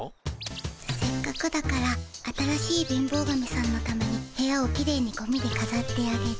せっかくだから新しい貧乏神さんのために部屋をきれいにゴミでかざってあげて。